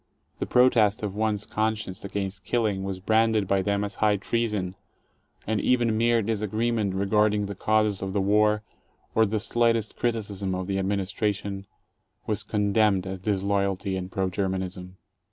The protest of one's conscience against killing was branded by them as high treason, and even mere disagreement regarding the causes of the war, or the slightest criticism of the administration, was condemned as disloyalty and pro Germanism.